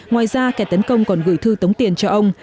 ngoài ra kẻ tấn công còn gửi thư tống tiền cho ông